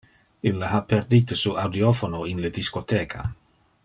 Ille ha perdite su audiophono in le discotheca.